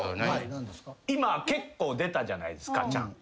今結構出たじゃないですかちゃん。